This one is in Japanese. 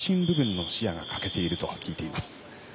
中心部分の視野が欠けていると聞いています。